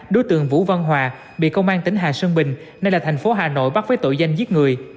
đối tượng vũ văn hòa bị công an tỉnh hà sơn bình nên là thành phố hà nội bắt với tội danh giết người